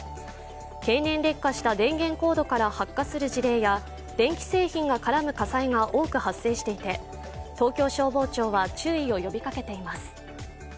経年劣化した電源コードから発火する事例や電気製品が絡む火災が多く発生していて、東京消防庁は注意を呼びかけています。